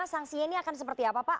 sanksinya ini akan seperti apa pak